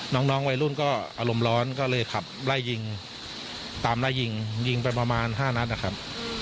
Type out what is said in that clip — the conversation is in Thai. น้องวัยรุ่นก็อารมณ์ร้อนก็เลยขับไล่ยิงตามไล่ยิงยิงไปประมาณ๕นัดนะครับ